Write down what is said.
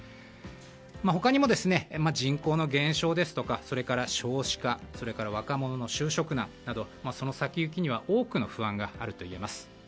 他にも、人口の減少ですとか少子化若者の就職難などその先行きには多くの不安があるといえます。